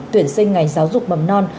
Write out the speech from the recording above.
tuyển sinh ngành giáo dục mầm non